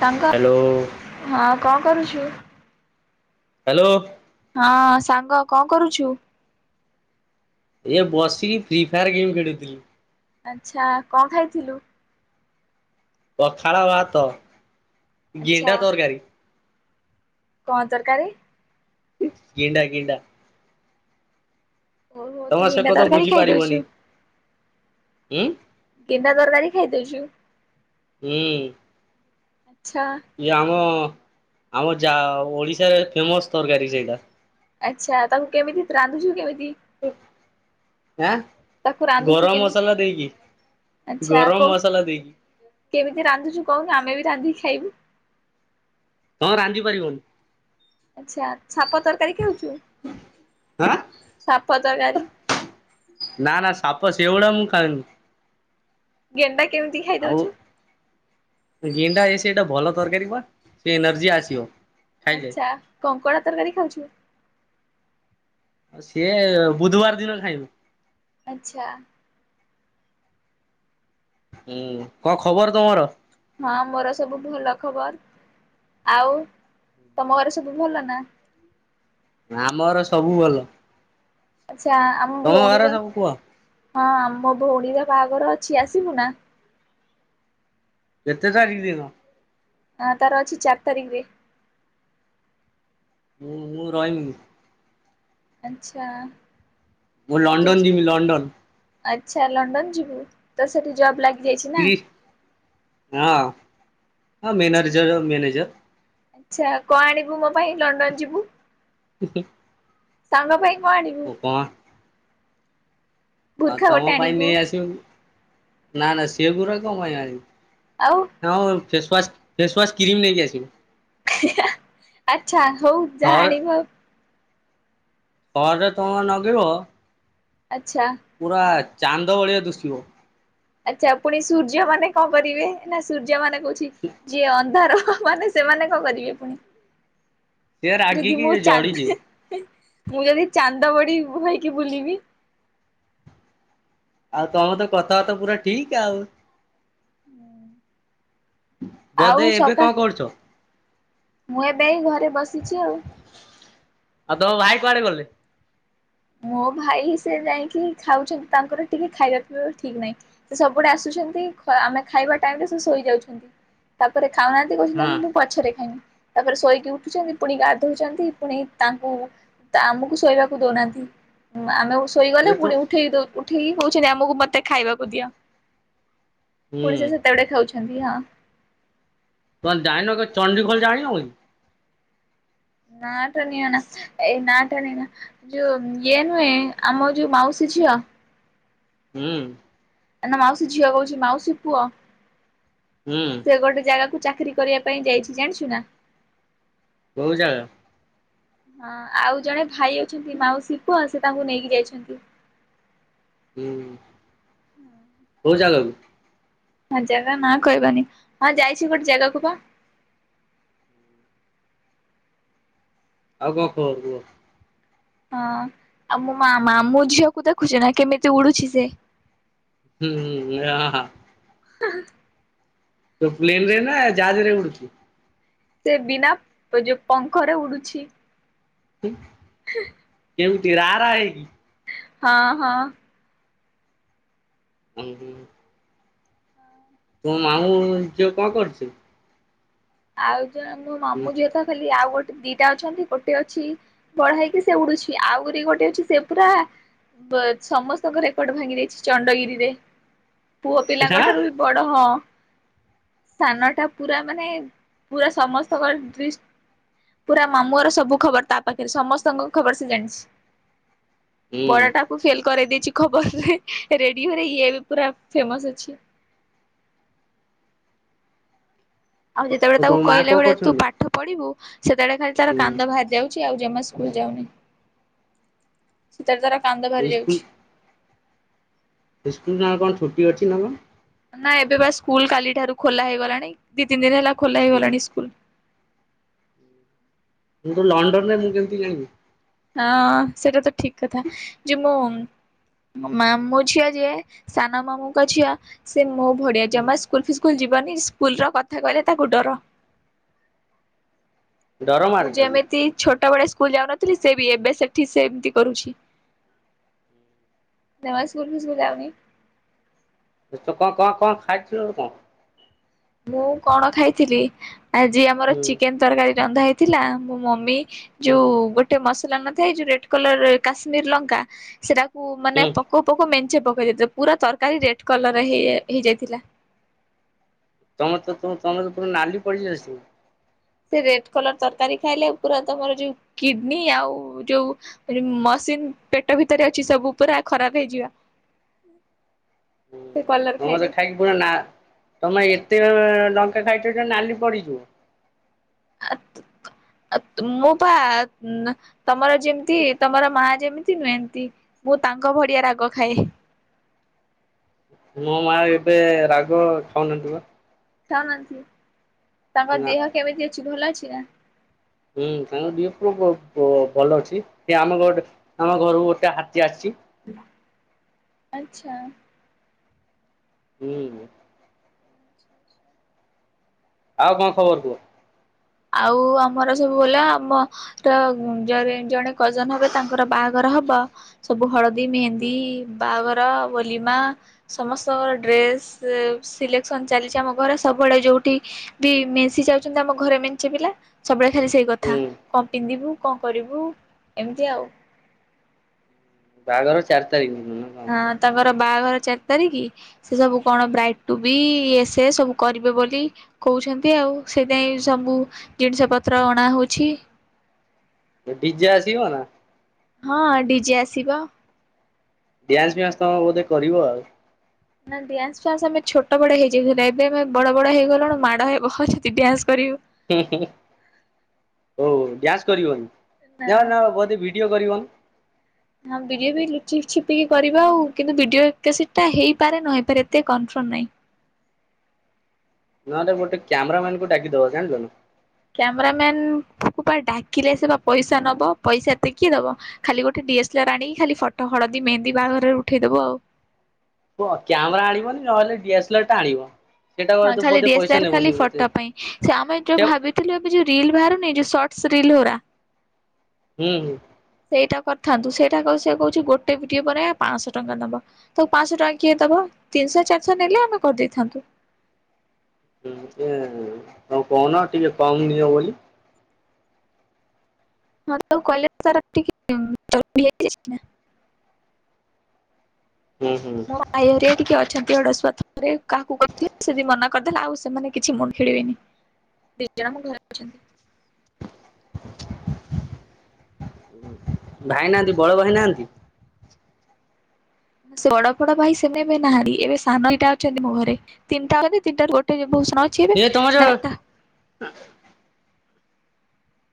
ସାଙ୍ଗ ହ୍ୟାଲୋ ହଁ କଣ କରୁଚୂ? ହ୍ୟାଲୋ। ହଁ ସାଙ୍ଗ କଣ କରୁଛୁ? ଏ ବସିକି ଫ୍ରି ଫାୟାର ଗେମ୍ ଖେଳୁଥିଲି। ଆଚ୍ଛା କଣ ଖାଇଥିଲୁ? ପଖାଳ ଭାତ ଆଚ୍ଛା ଗେଣ୍ଡା ତରକାରୀ କଣ ତରକାରୀ? ଗେଣ୍ଡା ଗେଣ୍ଡା ଓହୋ ତମେ ତୁ ସେ ଗେଣ୍ଡା କଥା ତରକାରୀ ଖାଇ ବୁଝିପାରିବନି ଦଉଛୁ? ଉଁ ଗେଣ୍ଡା ତରକାରୀ ଖାଇଦଉଛୁ। ହୁଁ। ଆଛା। ଇଏ ଆମ ଆମ ଯା ଓଡିଶାରେ ଫେମସ ତରକାରୀ ସେଇଟା। ଆଚ୍ଛା ତାଙ୍କୁ କେମିତି ରାନ୍ଧୁଛୁ କେମିତି ଆଁ ତାକୁ ରାନ୍ଧୁଛୁ ଗରମ କେମିତି? ମସଲା ଦେଇକି। ଆଚ୍ଛା ଗରମ କୋଉ ମସଲା ଦେଇକି। କେମିତି ରାନ୍ଧୁଛୁ କହୁନୁ ଆମେ ବି ରାନ୍ଧିକି ଖାଇବୁ। ହଁ ରାନ୍ଧି ପାରିବନି। ଆଚ୍ଛା ସାପ ତରକାରୀ କେଉଛୁ ଆଁ ସାପ ତରକାରୀ ନା ନା ସାପ ସେଗୁଡା ମୁଁ ଖାଉନି। ଗେଣ୍ଡା କେମିତି ଆଉ ଖାଇଦଉଛୁ। ଗେଣ୍ଡା ଏ ସେଇଟା ଭଲ ତରକାରୀ ବା ସେ ଏନର୍ଜି ଆସିବ। ଖାଇଲେ ଆଚ୍ଛା କଙ୍କଡ଼ା ତରକାରୀ ଖାଉଛୁ। ସିଏ ବୁଧବାର ଦିନରେ ଖାଇବୁ। ଆଚ୍ଛା। ହୁଁ କଣ ଖବର ତମର? ହଁ ମୋର ସବୁ ଭଲ ଖବର ଆଉ ତମ ଘର ସବୁ ଭଲ ନା? ଆମ ଘର ସବୁ ଭଲ ଆଚ୍ଛା ଆମ ତମ ଘରେ ଭଉଣୀର ସବୁ କୁହ ହଁ ଆମ ଭଉଣୀର ବାହାଘର ଅଛି ଆସିବୁ ନା? କେତେ ତାରିଖ ଦିନ? ଆଁ ତାର ଅଛି ଚାର ତାରିଖରେ। ମୁଁ ମୁଁ ରହିବିନି। ଆଚ୍ଛା। ମୁଁ ଆଉ ତୁ ଲଣ୍ଡନ ଯିବି ଲଣ୍ଡନ। ଆଚ୍ଛା ଲଣ୍ଡନ ଯିବୁ ତ ସେଠି ଜବ୍ ଲାଗ ଇ ହଁ ଆଛା ମ୍ୟାନରଜ ମ୍ୟାନେଜର। ଆଚ୍ଛା କଣ ଆଣିବୁ ମୋ ପାଇଁ ଲଣ୍ଡନ ଯିବୁ। [unintelligible] ସାଙ୍ଗ ପାଇଁ କଣ ଆଣିବୁ ଉପମା ଆଉ ବୁର୍ଖା ତମ ଗୋଟେ ପାଇଁ ଆଣିବୁ ନେଇ ଆସିବ ନା ନା ସେ ଗୁଡ଼ା କଣ ପାଇଁ ଆଣିବୁ। ଆଉ? ହଁ ମୁଁ ଫେସୱାସ୍ ଫେସୱାସ୍ କ୍ରିମ ନେଇକି ଆସିଵି। ଅଚ୍ଛା ହଉ ଯାହା ଥରେ ଆଣିବୁ ଆଉ। ପରେ ତୁମେ ନଗିବ? ଆଚ୍ଛା। ପୁରା ଚାନ୍ଦ ଭଳିଆ ଦୁଶିବ। ଆଚ୍ଛା ପୁଣି ସୂର୍ଯ୍ୟ ମାନେ କଣ କରିବେ ନା ସୂର୍ଯ୍ୟ ମାନେ କହୁଛି ଯିଏ ଅନ୍ଧାର ମାନେ ସେମାନେ କଣ କରିବେ ପୁଣି ସେ ଯଦି ରାଗିକି ମୁଁ ଚା ଜଳିଯିବେ ମୁଁ ଜଣେ ଚାନ୍ଦ ମଣି ମୁହଁ ହୋଇକି ବୁଲିବି। ଆଉ ତମର ତ କଥାବାର୍ତ୍ତା ପୁରା ଠିକ୍ ଆଉ। ହୁଁ ବୋଧେ ଏବେ କଣ କରୁଚ? ମୁଁ ଏବେ ଘରେ ବସିଛି ଆଉ। ଆଉ ତୋ ଭାଇ କୁଆଡେ ଗଲେ? ମୋ ଭାଇ ସେ ଯାଇକି ଖାଉଛନ୍ତି ତାଙ୍କର ଟିକେ ଖାଇବା ପିଇବା ଠିକ ନାହିଁ। ସେ ସବୁବେଳେ ଆସୁଛନ୍ତି ଆମେ ଖାଇବା ଟାଇମ ରେ ସେ ଶୋଇଯାଉଛନ୍ତି ତାପରେ ଖାଉନାହାନ୍ତି ସେ ହଁ କହୁଛନ୍ତି ମୁଁ ପଛରେ ଖାଇବି ତାପରେ ଶୋଇକି ଉଠୁଛନ୍ତି ପୁଣି ଗାଧଉଛନ୍ତି ପୁଣି ତାଙ୍କୁ ତ ଆମକୁ ଶୋଇବାକୁ ଦଉନାହାନ୍ତି। ଆମେ ଶୋଇଗଲେ ଏ ତୁ ପୁଣି ଉଠେଇ ଉଠିକି କହୁଛନ୍ତି ଆମକୁ ମତେ ଖାଇବାକୁ ଦିଅ ହୁଁ ପୁଣି ସେ ସେତେବେଳେ ଖାଉଛନ୍ତି ହଁ। କଣ ଜାଣିନ କି ଚଣ୍ଡିଖୋଲ ଜାଣିହଉନି? ନା ଟା ନିଅନା ଏ ନାଟଣୀ ନା [unintelligible] ଯୋଉ ଇଏ ନୁହେଁ ଆମର ଯୋଉ ମାଉସୀ ଝିଅ। ହୁଁ। ନା ନା ମାଉସୀ ଝିଅ କହୁଛି ମାଉସୀ ପୁଅ। ହୁଁ। ସେ ଗୋଟେ ଜାଗାକୁ ଚାକିରି କରିବା ପାଇଁ ଯାଇଛି ଜାଣିଛୁ ନା? କୋଉ ଜାଗା? ହଁ ଆଉ ଜଣେ ଭାଇ ଅଛନ୍ତି ମାଉସି ପୁଅ ସେ ତାଙ୍କୁ ନେଇକି ଯାଇଛନ୍ତି। ହୁଁ ହୁଁ। ହୁଁ କୋଉ ଜାଗାକୁ? ହଁ ଜାଗା ନା କହିବାନି ହଁ ଯାଇଛି ଗୋଟେ ଜାଗାକୁ ବା। ଆଉ କଣ କୁହ କୁହ? ହଁ ଆଉ ମୋ ମା ମା ମାମୁଁ ଝିଅକୁ ଦେଖୁଛୁ ନା କେମିତି ଉଡୁଛି ସେ? ହୁଁ ହୁଁ ଏ ହା। [inaudible] ତୁ ପ୍ଲେନ ରେ ନା ଜାହାଜରେ ଉଡୁଛି? ସେ ବିନା ଯୋଉ ପଙ୍ଖରେ ଉଡୁଛି। ଠିକ [unintelligible] କେଉଠି ରା, ରା ହେଇକି। ହଁ ହଁ। ଉହୁଁ। ତୋ ମାମୁଁ ଝିଅ କଣ କରୁଛି ଆଉ ଜଣେ ମୋ ହୁଁ, ମାମୁଁ ଝିଅ ତ। ଖାଲି ଆଉ ଗୋଟେ। ଦି ଟା ଅଛନ୍ତି ଗୋଟେ ଅଛି ବଡ଼ ହେଇକି ସେ ଉଡୁଛି ଆହୁରି ଗୋଟେ ଅଛି ସେ ପୁରା ସମସ୍ତଙ୍କ ରେକର୍ଡ ଭାଙ୍ଗି ଦେଇଛି ଚଣ୍ଡଗିରି ରେ। ପୁଅ ପିଲାଙ୍କ ହାଁ ଠାରୁ ବି ବଡ ହଁ। ସାନ ଟା ପୁରା ମାନେ। ପୁରା ସମସ୍ତଙ୍କ ଦ। ପୁରା ମାମୁଁ ଘର ସବୁ ଖବର ତା ପାଖରେ। ସମସ୍ତଙ୍କ ଖବର୍ ସେ ଜାଣିଛି। ବଡ ହୁଁ ଟାକୁ ଫେଲ୍ କରେଇ ଦେଇଛି ଖବର୍ ରେ, ରେଡିଓ ରେ ଇଏ ଏବେ ପୁରା ଫେମସ୍ ଅଛି। ଆଉ ଯେତବଳେ ତାକୁ ତମ ମା କଣ କହିଲାବେଳେ ତୁ। କରୁଛନ୍ତି? ପାଠ ପଢିବୁ। ସେତବଳେ ଖାଲି ତାର କାନ୍ଦ ହୁଁ ବାହାରି ଯାଉଛି ଆଉ ଜମା ସ୍କୁଲ୍ ଯାଉନି। ଶୀତରେ ତାର କାନ୍ଦ ବାହାରି ଯାଉଛି। ଇସ୍କୁଲ୍ ନା କଣ ଛୁଟି ଅଛି ନା କଣ?। ନା, ଏବେ ବା ସ୍କୁଲ କାଲି ଠାରୁ ଖୋଲା ହେଇଗଲାଣି ଦି, ତିନି ଦିନ ହେଲା ଖୋଲା ହୁଁ ହେଇଗଲାଣି ସ୍କୁଲ। ମୁଁ ତ ଲଣ୍ଡନ୍ ରେ ମୁଁ କେମିତି ଜଣିବି। ହଁ, ସେଇଟା ତ ଠିକ୍ କଥା ଯେ ମୁଁ। ମାମୁ ଝିଅ ଯିଏ। ସାନ ମାମୁଁଙ୍କ ଝିଅ ସେ ମୋ ଭଳୀଆ। ହୁଁ, ଜମା ସ୍କୁଲ୍ ଫି ସ୍କୁଲ୍ ଯିବନି ସ୍କୁଲ ର କଥା କହିଲେ ତାକୁ ଡର। ଡର ମୁଁ ମାଡେ ତାକୁ ଯେମିତି ଛୋଟ ବେଳେ ସ୍କୁଲ ଯାଉନଥିଲି। ସେ ବି ଏବେ ସେଠି ସେମିତି କରୁଛି। [unintelligible] [unintelligible] ମୁଁ କଣ ଖାଇଥିଲି? ଆଜି ଆମର ହୁଁ ଚିକେନ୍ ତରକାରୀ ରନ୍ଧା ହେଇଥିଲା ମୋ ମମି ହୁଁ ଯୋଉ। ଗୋଟେ ମସଲା ନଥାଏ ଯୋଉ ରେଡ୍ କଲର୍ ର କାଶ୍ମୀର୍ ଲଙ୍କା ସେଟା ମାନେ ହୁଁ ପକଉ ପକଉ ମେଞ୍ଚେ ପକେଇ ଦେଇଥିଲା। ପୁରା ତରକାରୀ ରେଡ୍ କଲର୍ ହେଇଯାଇଥିଲା। [unintelligible] ସେ ରେଡ୍ କଲର୍ ତରକାରୀ ଖାଇଲେ ପୁରା ତମର ଯୋଉ କିଡନୀ ଆଉ ଯୋଉ ମସିନ୍ ପେଟ ଭିତରେ ଅଛି ସବୁ ପୁରା ଖରାପ ହେଇଯିବା। ସେ କଲର ମୁଁ ହେଲେ ଖାଇଲେ ଖାଇ କଣ ନା। ତମେ ଏତେ ଲଙ୍କା ଖାଇଛ ଯେ ନାଲି ପଡିଯିବ। [unintelligible] ମୁଁ ବା ତମର ଯେମିତି ତମର ମା ଯେମିତି ନୁହେ ନ୍ତି ମୁଁ ତାଙ୍କ ଭଳୀଆ ରାଗ ଖାଏ। ମୋ ମା ଏବେ ରାଗ ଖାଉନାହାନ୍ତି ବା। ଖାଉନାହାନ୍ତି। ତାଙ୍କ ନା ଦେହ କେମିତି ଅଛି? ଭଲ ଅଛି ନା। ହୁଁ। ତାଙ୍କ ଦେହ [unintelligible] ଭଲ ଅଛି। ସେ ଆମ ଗଟେ ଆମ ଘରକୁ ଗୋଟେ ହାତୀ ଆସିଛି। ଆଚ୍ଛା। ହୁଁ। [inaudible] ଆଉ କଣ ଖବର୍ କୁହ? ଆଉ। ଆମର ସବୁ ଭଲ। ଆମ ତ ଜଣେ କଜନ୍ ହବେ ତାଙ୍କର ବାହାଘର ହବ। ସବୁ ହଳଦୀ ମେହେନ୍ଦୀ, ବାହାଘର ବୋଲିମା ସମସ୍ତଙ୍କ ଡ୍ରେସ ସିଲେକ୍ସନ ଚାଲିଛି ଆମ ଘରେ ସବବେଳେ ଯୋଉଠି ବି ମିଶି ଯାଉଛନ୍ତି ଆମ ଘରେ ମେ ପଛ ପିଲା ସବୁବେଳେ ଖାଲି ସେଇ ହୁଁ କଥା। କଣ ପିନ୍ଧିବୁ, କଣ କରିବୁ, ଏମିତି ଆଉ। ବାହାଘର ଚାରି ତାରିଖ୍। ହଁ। ତାଙ୍କର ବାହାଘର ଚାରି ତାରିଖ୍। ସେ ସବୁ କଣ ବ୍ରାଇଡ୍ ଟୁ ବି ଏସେ ସବୁ କରିବେ ବୋଲି କହୁଛନ୍ତି ଆଉ ସେଇଥି ପାଇଁ ସବୁ ଜିନିଷ ପତ୍ର ଅଣାହଉଛି। ଡିଜେ ଆସିବ ନା ହଁ ଡିଜେ ଆସିବ। ଡ୍ୟାନ୍ସ ଫ୍ୟାନ୍ସ ତମେ ବୋଧେ କରିବ ଆଉ। ନା ଡ୍ୟାନ୍ସ ଫ୍ୟାନ୍ସ ଆମେ ଛୋଟ ବଡ ହେଇଯାଇଥିଲୁ ଏବେ ଆମେ ବଡ ବଡ ହେଇଗଲୁଣୁ ମାଡ଼ ହେବ ଯଦି ଡ୍ୟାନ୍ସ କରିବୁ। ହଁ ଓହ ଡ୍ୟାନ୍ସ କରିବନି ନା ନହେଲେ ନ ବୋଧେ ଭିଡିଓ କରିବ। ହଁ ଭିଡିଓ ବି ଲୁଚି ଚ୍ଛୁପିକି କରିବା ଆଉ କିନ୍ତୁ ଭିଡିଓ ଏଟା ସେଟା ହେଇପାରେ ନ ହେଇପାରେ ଏତେ କନଫର୍ମ ନାହିଁ। ନହେଲେ ଗୋଟେ କ୍ୟାମେରା ମାନଙ୍କୁ ଡାକି ଦବ ଜାଣିଛ। କ୍ୟାମେରା ମ୍ୟାନକୁ ଡାକିଲେ ସେ ବା ପଇସା ନବ ପଇସା ଏତେ କିିଏ ଦବ। ଖାଲି ଗୋଟେ ଡି ଏସ ଏଲ ଆର ଆଣିକି ଖାଲି ଫଟ ହଳଦୀ ମେହେନନ୍ଦି ବାହାଘରରେ ଉଠେଇଦବୁ ଆଉ। କୁହ କ୍ୟାମେରା ଆଣିବନି ନହେଲେ ଡି ଏସ୍ ଏଲ ଆର ଟା ଆଣିବ। ସେଇଟା ହଁ ବୋଧେ ଖାଲି ବୋଧେ ଡିଏସ୍ ଲା ପଇସା ଆର ଖାଲି ନେବନି ବୋଧେ ଫଟୋ ପାଇଁ। ସେ ଆମେ ଯୋଉ ସେ ଭାବିଛୁ ଥିଲୁ ଯୋଉ ରିଲ ବାହରୁନି ଯୋଉ ସଟସ୍ ରିଲ ଗୁଡ଼ା। ହୁଁ-ହୁଁ ସେଇଟା କରିଥାନ୍ତୁ ସେଇଟାକୁ ସେ କହୁଛି ଗୋଟେ ଭିଡିଓ ପରେ ପାଞ୍ଚଶହ ଟଙ୍କା ନବ। ତାକୁ ପାଞ୍ଚଶହ ଟଙ୍କା କିଏ ଦବା ତିନିଶହ ଚାରିଶହ ନେଲେ ଆମେ କରିଦେଇଥାନ୍ତୁ। ହୁଁ ଏ ଆଉ କହୁନ ଟିକେ କମ୍ ନିଅ ବୋଲି। ହଁ ତ କଲେ ତାର ଟିକେ [unintelligible] ହୁଁ ହୁଁ। ଆ ଏରିଆ ଟିକେ ଅଛନ୍ତି ହଡସ୍ୱାର୍ଥପର କାହାକୁ କହିଥିଲେ ସେ ଯଦି ମନା କରିଦେଲା ଆଉ ସେମାନେ କିଛି ମୁଣ୍ଡ ଖେଳିବେନି। ଦିଜଣ ମୁ ଘରେ ଅଛନ୍ତି। ଭାଇ ନାହାନ୍ତି ବଡ଼ ଭାଇ ନାହାନ୍ତି। ସେ ବଡ ଫଡ ଭାଇ ସେନେମେ ଏବେ ନାହାନ୍ତି ଏବେ ସାନଦିଟା ଅଛନ୍ତି ମୋ ଘରେ। [unintelligible] ଏ ତମଜ ନା ଚାରିଟା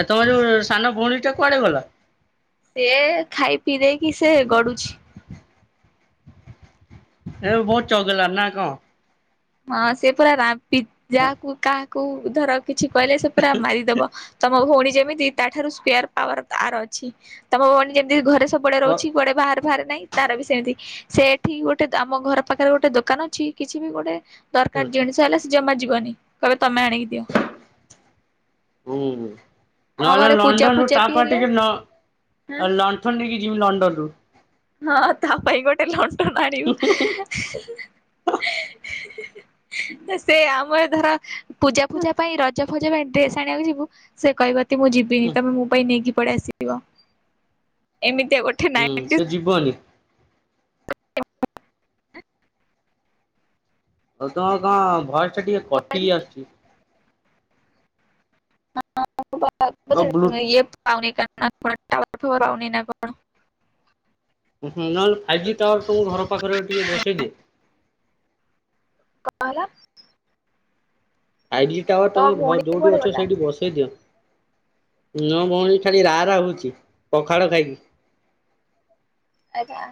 ଆ ତମର ଯୋଉ ସାନ ଭଉଣୀ ଟା କୁଆଡେ ଗଲା? ସେ ଖାଇ ପିଇ ଦେଇକି ସେ ଗଡୁଛି। ଏବେ ବହୁତ ଚଗଲା ନା କଣ। ହଁ ସେ ପୁରା ରାବି ଯାହାକୁ କାହାକୁ ଧର କିଛି କହିଲେ ସେ ପୁରା ମାରିଦେବ। ତମ ଭଉଣୀ ଯେମିତି ତାଠାରୁ ସ୍କୋୟାର ପାୱାର ତାର ଅଛି ତମ ଭଉଣୀ ଯେମିତି ଘରେ ସବୁ ବେଳେ ହୁଁ ରହୁଛି କୁଆଡେ ବାହାରକୁ ବାହାରେ ନାହିଁ ତାର ବି ସେମିତି ସେ ଏଠି ଗୋଟେ ଆମ ଘର ପାଖରେ ଗୋଟେ ଦୋକାନ ଅଛି କିଛି ବି ଗୋଟେ ଦରକାର ଜିନିଷ ହେଲେ ସେ ଜମା ଯିବନି କହିବେ ତମେ ଆଣିକି ଦିଅ। ଉଁ ହୁଁ। ଆମ ନହେଲେ ଘରେ ପୂଜା ଲଣ୍ଡନରୁ ପୂଜା ବି ତାପାଇଁ ହେଲେ ଟିକେ ଲ ହଁ ଲଣ୍ଠନ ନେଇକି ଯିବି ଲଣ୍ଡନରୁୁ। ହଁ ତା ପାଇଁ ଗୋଟେ ଲଣ୍ଠନ ଆଣିବୁ। ସେ ଆମର ଧର ପୂଜା ପୂଜା ପାଇଁ ରଜ ଜା ପାଇଁ ଡ୍ରେସ ଆଣିବାକୁ ଯିବୁ ସେ କହିବ ତି ମୁଁ ଯିବିନି ତମେ ମୋ ପାଇଁ ନେଇକି ପଳେଇ ଆସିବ। ରିବ ଏମିତିଆ ଗୋଟେ ହୁଁ ନାଇଣ୍ଟିଜ ସେ ଯିବନି। [unintelligible] ଆଉ ତମର କଣ ଭଏସ ଟା ଟିକେ କଟିିକି ଆସୁଛି। ତ ବ୍ଲୁ [unintelligible] ହୁଁ ହୁଁ ନହେଲେ ଫାଇବ ଜି ଟାୱାର ତମ ଘର ପାଖରେ ଟିକେ ବସେଇଦେ। କଣ ହେଲା? ଫାଇବ ଜି ଟାୱାର ତମ ଘର ଭଉଣୀ ଯୋଉଠି କୁଆଡେ ଅଛ ଗଲା ସେଇଠି ବସେଇ ଦିଅ। ନୋ ଭଉଣୀ ଖାଲି ରା ରା ହଉଛି ପଖାଳ ଖାଇକି। ଆଜ୍ଞା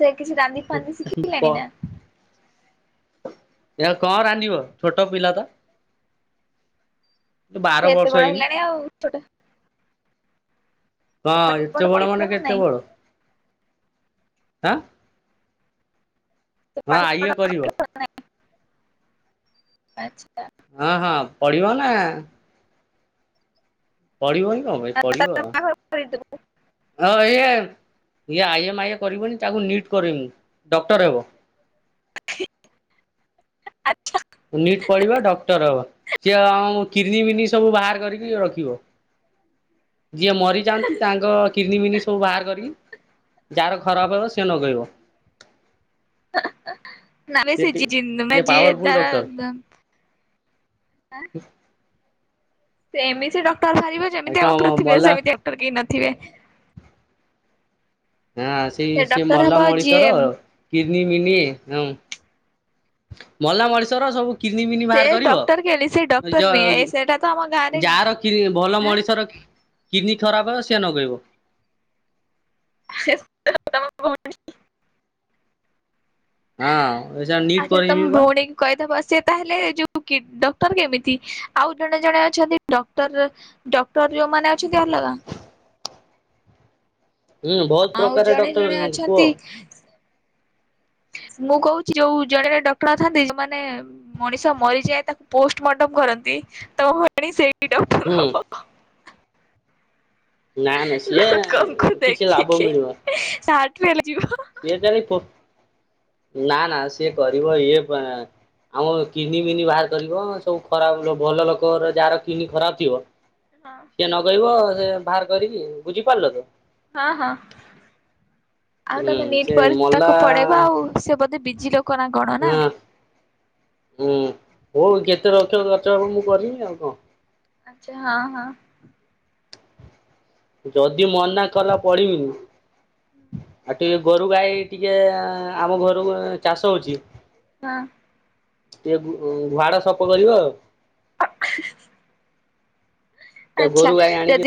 ସେ କିଛି ରାନ୍ଦି ଫାନ୍ଦି ସିଖି ପ ଲେଣି ନା? ଏ ଆଉ କଣ ରାନ୍ଧିବ ଛୋଟ ପିଲା ତ ବାର ସେ ଏତେ ବର୍ଷ ବଡ ହେଇନି। ହେଲାଣି ଆଉ ଛୋଟ ହଁ ପାଠ ପାଠ ଏତେ ବଡ଼ ମାନେ ପଢିବ ନା କେତେ ନାଇଁ ବଡ଼ ଆଁ ହଁ ଇଏ କରିବ। [unintelligible] ହଁ ହଁ ପଢି଼ବ ନା। ପଢି଼ବନି କଣ ପାଇଁ ତାର ପଢି଼ବ। ବାହାଘର କରିଦବୁ। ହଁ ଇଏ ଇଏ ଆଇଏମ୍ ଆଇ କରିବନି ତାକୁ ନିଟ୍ କରିମୁ ଡକ୍ଟର ହେବ। ଆଚ୍ଛା ନିଟ୍ ପଢି଼ବ ଡକ୍ଟର ହବ ସିଏ ଆମ କିଡନୀ ବିନି ସବୁ ବାହାର କରିକି ରଖିବ। ଯିଏ ମରି ଯାଆନ୍ତି ତାଙ୍କ କିିନିମିନି ସବୁ ବାହାର କରିକି। ଯାହାର ଖରାପ ହେବ ସେ ନଗେଇବ। ନମେ ସେଠି ସେଜି ଜିନ୍ଦୁ ମେ ଯେ ଯିଏ ପାୱାରଫୁଲ ତାର ଡକ୍ଟର ହାଁ ସେ ଏମିତି ଡକ୍ଟର ବାହାରିବ ଏ ଯେମିତି କଣ ଆମ ପୃଥିବୀରେ ମଲା ସେମିତି ଡକ୍ଟର କେହି ନଥିବେ ହଁ ସେଇ ସେ ଡକ୍ଟର ହବ ମଲା ଯିଏ ମଣିଷର କିରନିମିନି ହଁ ମଲା ମଣିଷର ସବୁ କିିନିମିନି ସେ ବାହାର କରିବ ଡକ୍ଟର କେଲି ସେ ଡକ୍ଟର ଜ ନୁହେଁ ଏ ସେଇଟା ତ ଆମ ଗାଁରେ ଯାହାର କି ଭଲ ମଣିଷର କିଡ଼ନୀ ଖରାପ ସେ ନଗେଇବ [unintelligible] ହଁ ନିଟ୍ ଆଚ୍ଛା ତମ କରେଇବି ବା ଭଉଣୀ କହିଦବ ସେ ତାହେଲେ ଯୋଉ ଡକ୍ଟର କେମିତି ଆଉ ଜଣେ ଜଣେ ଅଛନ୍ତି ଡକ୍ଟର ଡକ୍ଟର ଯୋଉମାନେ ଅଛନ୍ତି ଅଲଗା ହୁଁ ବହୁତ ଆଉ ପ୍ରକାର ଜଣେ ଡକ୍ଟର ଜଣେ କୁହ ଅଛନ୍ତି ମୁଁ କହୁଛି ଯୋଉ ଜଣେ ଜଣେ ଡକ୍ଟର ନଥାନ୍ତି ଯୋଉମାନେ ମଣିଷ ମରିଯାଏ ତାକୁ ପୋଷ୍ଟମର୍ଟମ କରନ୍ତି ତ ଭଣି ସେଇ ଡକ୍ଟର ହୁଁ ହବ ନା ନା ସିଏ ଲୋକଙ୍କୁ କିଛି ଲାଭ ଦେଖିକି ମିଳିବ ତା ହାର୍ଟ ଫେଲ ହେ ଯିବ ସିଏ କାଲି ନା ନା ସିଏ କରିବ ଇଏ ପା ଆମ କିିନି ମିନି ବାହାର କରିବ ସବୁ ଖରାପ ଭଲ ଲୋକର ଯାହାର କିିନି ଖରାପ ଥିବ ହଁ ସେ ନଗେଇବ ସେ ବାହାର କରିକି ବୁଝିପାରିଲ ତ ହଁ ହଁ ଆଉ ହୁଁ ତମେ ନିଟ୍ ସେ ପରେ ମଲା ତାକୁ ପଡ଼େଇବ ଆଉ ସେ ବୋଧେ ବିଜି ଲୋକ ନା କଣ ନା ହଁ ହୁଁ ହଉ କେତେ ଲକ୍ଷ ଖର୍ଚ୍ଚ ହେବ ମୁଁ କରିବି ଆଉ କଣ ଆଚ୍ଛା ହଁ ହଁ ଯଦି ମନା କଲା ପଢି଼ବିନି ଆଉ ଟିକେ ଗୋରୁ ଗାଈ ଟିକେ ଆମ ଘର ଚାଷ ହଉଛି ହଁ ଟିକେ ଘୁଆଡା ସଫ କରିବ ଆଉ ଟିକେ ଆଚ୍ଛା ଗୋରୁ ଗାଈ ଯଦି ଆଣିକି